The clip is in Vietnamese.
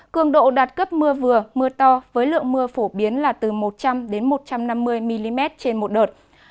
cường độ đạt cấp mưa vừa mưa to với lượng mưa phổ biến là từ một trăm linh một trăm năm mươi mm trên một đợt